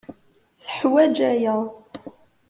Teḥwaj aya.